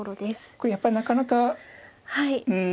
これやっぱなかなかうん。